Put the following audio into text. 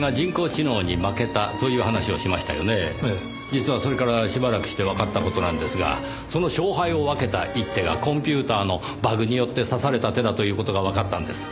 実はそれからしばらくしてわかった事なんですがその勝敗を分けた一手がコンピューターのバグによって指された手だという事がわかったんです。